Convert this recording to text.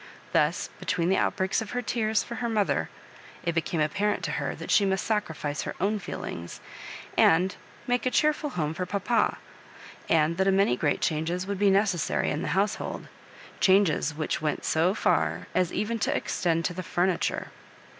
Thus between the outbreaks of hen tears for her mother, it became apparent to her that she must sacrifice her own feelings, and make a cheerful home for papa, and that a great many changes would be necessary in the household — chang^ which went so ffir as even to extend to the fur niture.